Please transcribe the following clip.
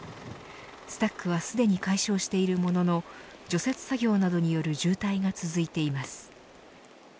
スタックはすでに解消しているものの除雪作業などによる渋滞が続いています。